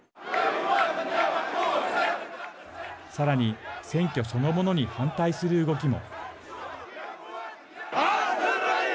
さらに、選挙そのものに反対する動きも。